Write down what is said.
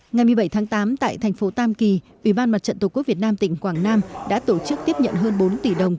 ngày một mươi bảy tháng tám tại thành phố tam kỳ ủy ban mặt trận tổ quốc việt nam tỉnh quảng nam đã tổ chức tiếp nhận hơn bốn tỷ đồng